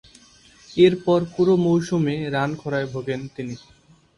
এরপর পুরো মৌসুমে রান খরায় ভোগেন তিনি।